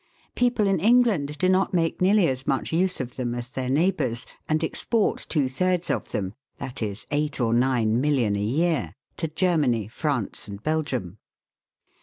People in England do not make nearly as much use of them as their neighbours, and export two thirds of them that is eight or nine million a year to Germany, France, and Belgium.